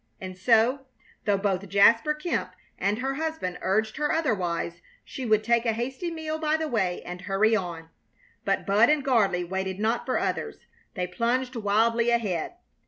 And so, though both Jasper Kemp and her husband urged her otherwise, she would take a hasty meal by the way and hurry on. But Bud and Gardley waited not for others. They plunged wildly ahead.